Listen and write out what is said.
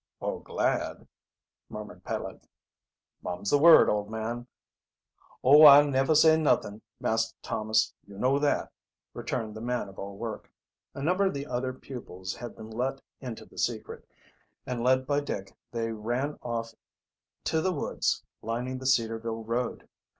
"Or glad," murmured Peleg. "Mum's the word, old man." "Oh, I never say nuthin, Master Thomas; you know that," returned the man of all work. A number of the other pupils had been let into the secret, and, led by Dick, they ran off to the woods lining the Cedarville road.